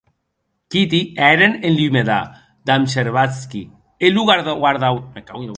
Kitty èren en lumedar, damb Scherbazky, e lo guardaue.